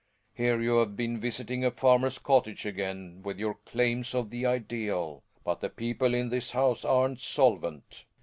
Here you've been visiting a farmer's cottage / again with your claims of the ideal; but the people in this house aren't solvent.